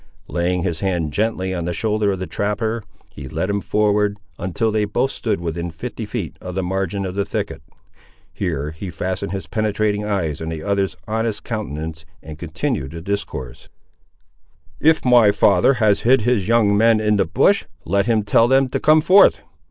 Laying his hand gently on the shoulder of the trapper, he led him forward, until they both stood within fifty feet of the margin of the thicket. Here he fastened his penetrating eyes on the other's honest countenance, and continued the discourse— "If my father has hid his young men in the bush, let him tell them to come forth.